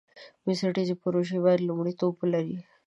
بنسټیزې پروژې باید لومړیتوب ولري.